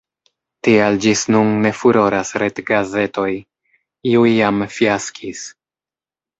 Tial ĝis nun ne furoras retgazetoj, iuj jam fiaskis.